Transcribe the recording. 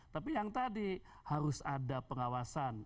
tapi yang tadi harus ada pengawasan